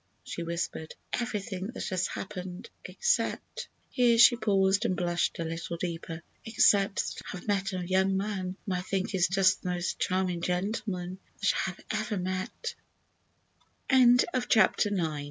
she whispered, "everything that has happened except"—here she paused and blushed a little deeper—"except that I have met a young man whom I think is just the most charming gentleman that I have ever